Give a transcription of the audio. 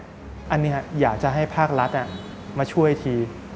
อันนี้อยากจะให้ภาครัฐมาช่วยที